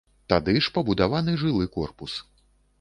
Тады ж пабудаваны жылы корпус.